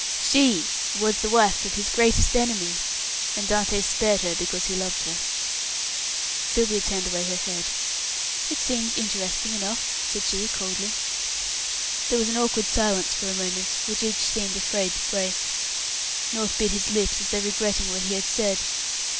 "She was the wife of his greatest enemy, and Dantès spared her because he loved her." Sylvia turned away her head. "It seems interesting enough," said she, coldly. There was an awkward silence for a moment, which each seemed afraid to break. North bit his lips, as though regretting what he had said.